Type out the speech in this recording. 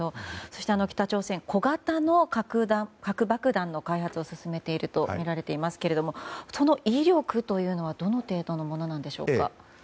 そして、北朝鮮小型の核爆弾の開発を進めているとみられていますがその威力はどの程度のものなんでしょうか。